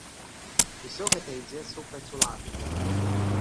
Усё гэта ідзе супраць улады.